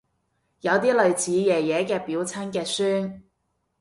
有啲類似爺爺嘅表親嘅孫